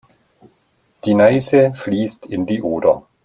Die Neiße fließt in die Oder.